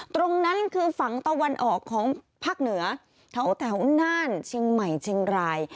ตรงนั้นคือฝั่งตะวันออกของภาคเหนือแถวน่านเชียงใหม่เชียงราย